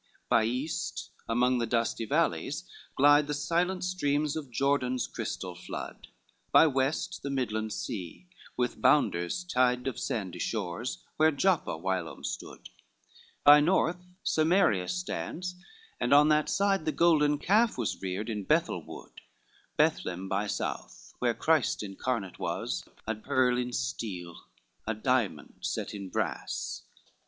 LVII By east, among the dusty valleys, glide The silver streams of Jordan's crystal flood; By west, the Midland Sea, with bounders tied Of sandy shores, where Joppa whilom stood; By north Samaria stands, and on that side The golden calf was reared in Bethel wood; Bethlem by south, where Christ incarnate was, A pearl in steel, a diamond set in brass.